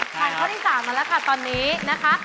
ผ่านข้อที่๓มาแล้วค่ะตอนนี้นะคะ